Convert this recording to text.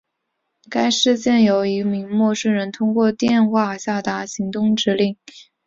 该事件由一名陌生人通过电话下达行动指令。